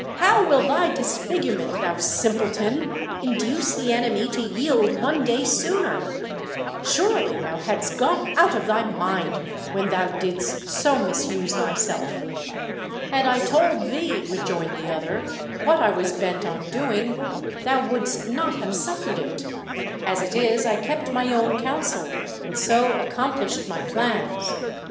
How will thy disfigurement, thou simpleton, induce the enemy to yield one day sooner? Surely thou hadst gone out of thy mind when thou didst so misuse thyself." "Had I told thee," rejoined the other, "what I was bent on doing, thou wouldst not have suffered it; as it is, I kept my own counsel, and so accomplished my plans.